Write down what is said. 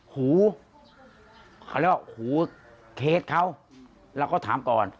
หูเขาเรียกว่าหูเคสเขาเราก็ถามก่อน